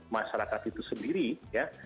masyarakat itu sendiri ya